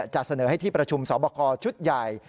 จะเสนอให้ที่ประชุมสอบคอชุดใหญ่